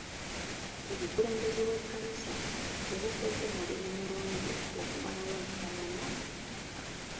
Obukulembeze bw'ekkanisa tebukoze mulimu bulungi okumalawo enkaayana ku ttaka.